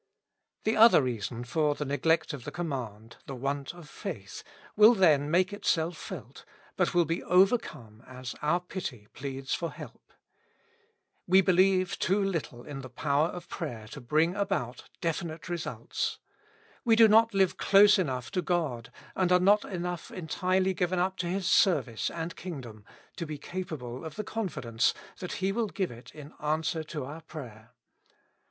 The other reason for the neglect of the command, the want of faith, will then make itself felt, but will be overcome as our pity pleads for help. We believe too little in the power of prayer to bring about definite results. We do not live close enough to God, and are not enough entirely given up to His service and Kingdom, to be capable of the confidence that He will give it in answer to our prayer.